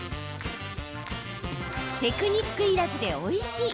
テクニックいらずでおいしい！